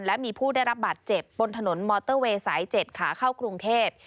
และมีผู้ได้รับบาดเจ็บบนถนนมอเตอร์เวย์สาย๗ขาเข้ากรุงเทพ